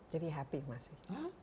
jadi happy masih